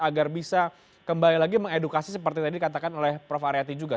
agar bisa kembali lagi mengedukasi seperti tadi katakan oleh prof aryati juga